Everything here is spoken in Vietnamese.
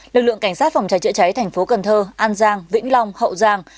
lực lượng cảnh sát phòng cháy chữa cháy tp cần thơ an giang vĩnh long hậu giang